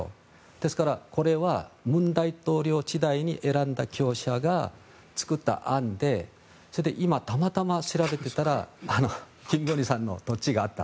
ですからこれは文大統領時代に選んだ業者が作った案で今、たまたま調べていたらキム・ゴンヒさんの土地があった。